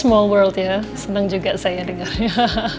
small world ya senang juga saya dengarnya